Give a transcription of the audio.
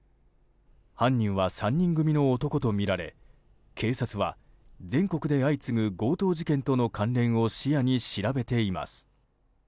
犯人は３人組の男とみられ警察は全国で相次ぐ強盗事件との関連を視野に調べています。